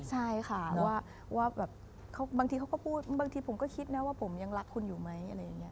ใช่ค่ะว่าแบบบางทีเขาก็พูดบางทีผมก็คิดนะว่าผมยังรักคุณอยู่ไหมอะไรอย่างนี้